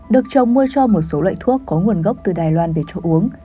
được trồng mua cho một số loại thuốc có nguồn gốc từ đài loan về chỗ uống